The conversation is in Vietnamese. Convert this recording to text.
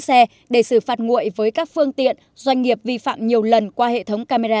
xe để xử phạt nguội với các phương tiện doanh nghiệp vi phạm nhiều lần qua hệ thống camera